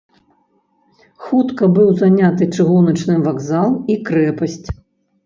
Хутка быў заняты чыгуначны вакзал і крэпасць.